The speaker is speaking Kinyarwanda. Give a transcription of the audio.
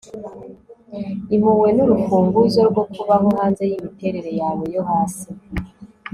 impuhwe nurufunguzo rwo kubaho hanze yimiterere yawe yo hasi